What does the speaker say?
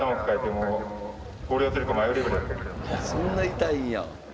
そんな痛いんや。